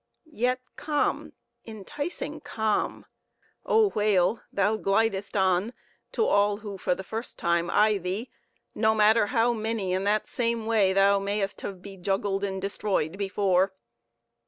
Yet calm, enticing calm, oh, whale! thou glidest on, to all who for the first time eye thee, no matter how many in that same way thou may'st have bejuggled and destroyed before.